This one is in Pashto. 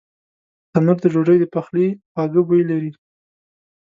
تنور د ډوډۍ د پخلي خواږه بوی لري